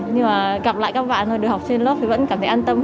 nhưng mà gặp lại các bạn thôi được học trên lớp thì vẫn cảm thấy an tâm